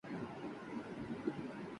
غنچۂ خاطر رہا افسردگی مانوس و بس